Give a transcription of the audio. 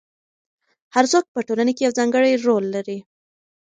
هر څوک په ټولنه کې یو ځانګړی رول لري.